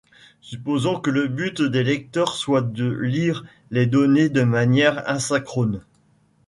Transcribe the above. Supposons que le but des lecteurs soit de lire les données de manière asynchrone.